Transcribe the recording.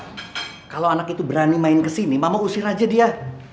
kalau anak itu berani main kesini mama usir aja dia